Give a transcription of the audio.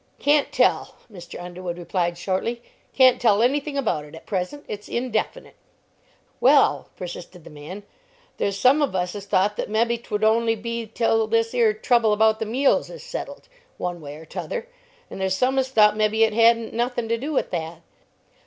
"Can't tell," Mr. Underwood replied, shortly; "can't tell anything about it at present; it's indefinite." "Well," persisted the man, "there's some of us as thought that mebbe 'twould only be till this 'ere trouble about the meals is settled, one way or t'other; and there's some as thought mebbe it hadn't nothing to do with that."